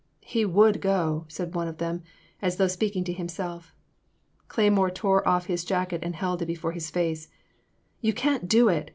'' He would go," said one of them, as though speaking to himself. Cleymore tore off his jacket and held it before his face. You can't do it